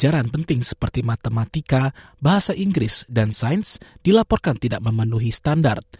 pelajaran penting seperti matematika bahasa inggris dan sains dilaporkan tidak memenuhi standar